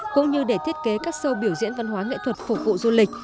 cũng như để thiết kế các show biểu diễn văn hóa nghệ thuật phục vụ du lịch